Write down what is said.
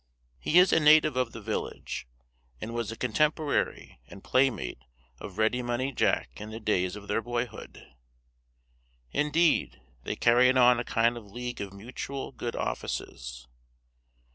He is a native of the village, and was a contemporary and playmate of Ready Money Jack in the days of their boyhood. Indeed, they carried on a kind of league of mutual good offices.